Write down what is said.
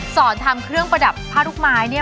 สอนทำเครื่องประดับผ้าลูกไม้เนี่ย